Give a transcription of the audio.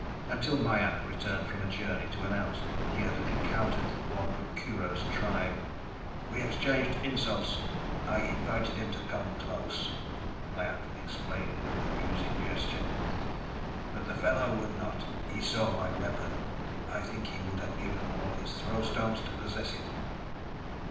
Until Mai ak returned from a journey, to announce he had encountered one of Kurho's tribe. "We exchanged insults. I invited him to come close," Mai ak explained with amusing gesture, "but the fellow would not. He saw my weapon! I think he would have given all his throw stones to possess it!"